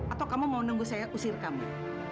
atau kamu mau nunggu saya usir kamu